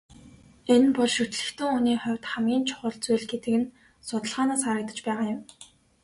Энэ бол шүтлэгтэн хүний хувьд хамгийн чухал зүйл гэдэг нь судалгаанаас харагдаж байгаа юм.